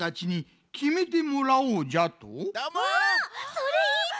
それいいち！